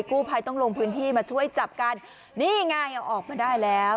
กู้ภัยต้องลงพื้นที่มาช่วยจับกันนี่ไงเอาออกมาได้แล้ว